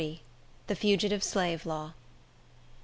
XL. The Fugitive Slave Law.